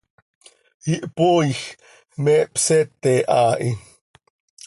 Ihpooij, me hpseeti haa hi.